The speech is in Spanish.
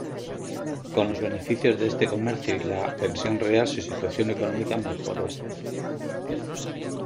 Con los beneficios de este comercio y la pensión real su situación económica mejoró.